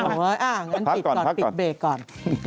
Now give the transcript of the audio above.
อ้าวอย่างนั้นปิดก่อนปิดเบกก่อนพักก่อน